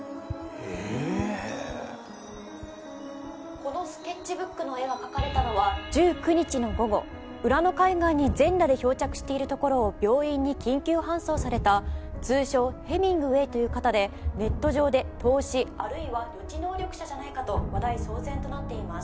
「ええーっ」「このスケッチブックの絵が描かれたのは１９日の午後浦野海岸に全裸で漂着しているところを病院に緊急搬送された通称ヘミングウェイという方でネット上で透視あるいは予知能力者じゃないかと話題騒然となっています」